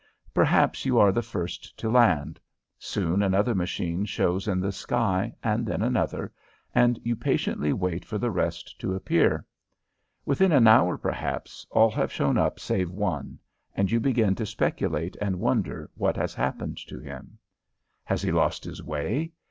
Perhaps you are the first to land. Soon another machine shows in the sky, then another, and you patiently wait for the rest to appear. Within an hour, perhaps, all have shown up save one, and you begin to speculate and wonder what has happened to him. Has he lost his way?